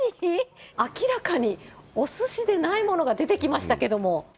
明らかにおすしでないものが出てきましたけども。